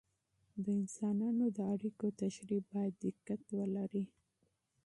د انسانانو د اړیکو تشریح باید دقت ولري.